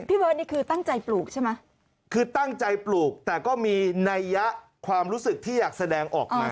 เบิร์ตนี่คือตั้งใจปลูกใช่ไหมคือตั้งใจปลูกแต่ก็มีนัยยะความรู้สึกที่อยากแสดงออกมา